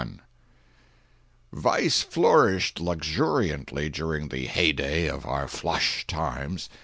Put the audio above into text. Vice flourished luxuriantly during the hey day of our "flush times."